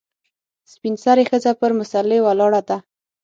سپین سرې ښځه پر مسلې ولاړه ده .